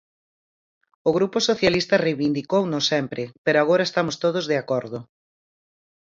O Grupo Socialista reivindicouno sempre, pero agora estamos todos de acordo.